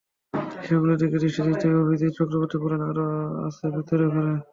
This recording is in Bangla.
সেগুলোর দিকে দৃষ্টি দিতেই অভিজিৎ চক্রবর্তী বললেন, আরও আছে ভেতরের ঘরে।